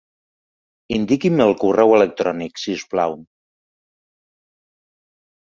Indiqui'm el correu electrònic, si us plau.